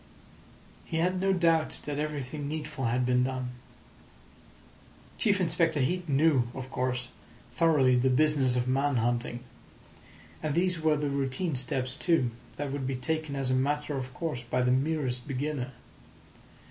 He had no doubt that everything needful had been done. Chief Inspector Heat knew, of course, thoroughly the business of man hunting. And these were the routine steps, too, that would be taken as a matter of course by the merest beginner.